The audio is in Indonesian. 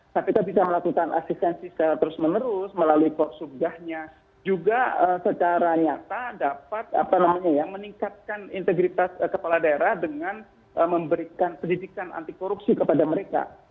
kpk bisa melakukan asistensi secara terus menerus melalui kosudahnya juga secara nyata dapat meningkatkan integritas kepala daerah dengan memberikan pendidikan anti korupsi kepada mereka